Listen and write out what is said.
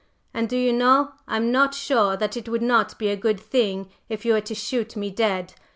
"And do you know, I'm not sure that it would not be a good thing if you were to shoot me dead!